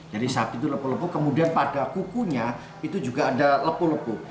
jadi sapi itu lepuh lepuh kemudian pada kukunya itu juga ada lepuh lepuh